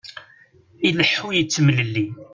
Ileḥḥu yettemlelli.